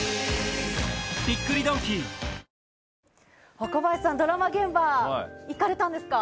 若林さん、ドラマ現場行かれたんですか？